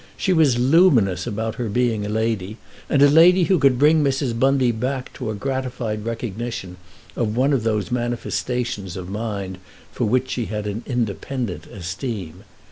She was luminous about her being a lady, and a lady who could bring Mrs. Bundy back to a gratified recognition of one of those manifestations of mind for which she had an independent esteem.